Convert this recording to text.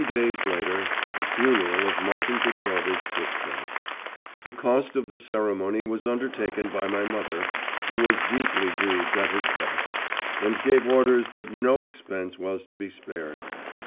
Three days later, the funeral of Martin Petrovitch took place. The cost of the ceremony was undertaken by my mother, who was deeply grieved at his death, and gave orders that no expense was to be spared.